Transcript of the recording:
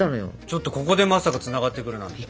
ちょっとここでまさかつながってくるなんて。